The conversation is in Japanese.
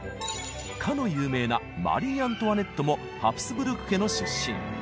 かの有名なマリー・アントワネットもハプスブルク家の出身。